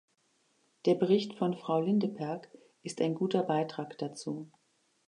Der Bericht von Frau Lindeperg ist ein guter Beitrag dazu.